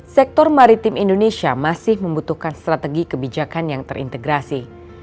sektor maritim indonesia masih membutuhkan strategi kebijakan yang terintegrasi